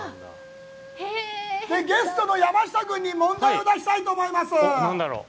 ゲストの山下君に問題に出したいと思います。